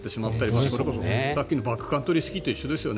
それこそさっきのバックカントリーと一緒ですよね